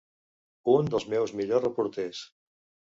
Un dels meus millors reporters.